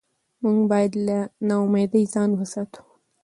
موږ باید له ناامیدۍ ځان وساتو